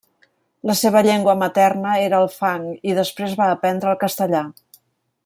La seva llengua materna era el fang i després va aprendre el castellà.